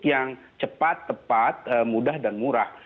yang cepat tepat mudah dan murah